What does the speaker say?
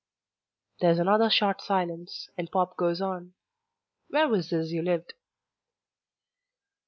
There's another short silence, and Pop goes on. "Where was this you lived?"